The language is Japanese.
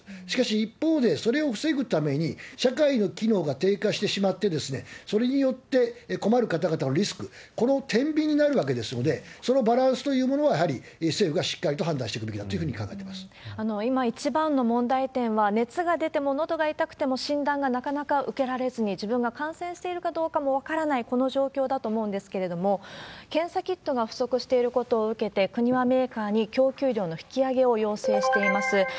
しかし、一方でそれを防ぐために社会の機能が低下してしまって、それによって困る方々のリスク、このてんびんになるわけですので、そのバランスというものをやはり政府がしっかりと判断していくべ今一番の問題点は、熱が出てものどが痛くても、診断がなかなか受けられずに、自分が感染しているかどうかも分からない、この状況だと思うんですけれども、検査キットが不足していることを受けて、国はメーカーに供給量の引き上げを要請しています。